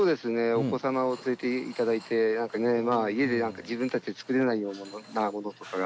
お子様を連れていただいて家で、自分たちで作れないようなものとかが。